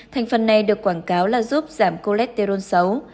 thành phần này được quảng cáo là giúp giảm cô lét tê rôn xấu